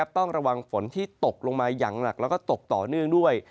ต้องระวังฝนที่ตกลงมาอย่างหนักแล้วก็ตกต่อเนื่องด้วย